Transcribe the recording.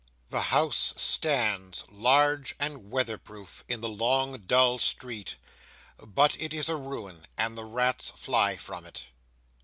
The house stands, large and weather proof, in the long dull street; but it is a ruin, and the rats fly from it.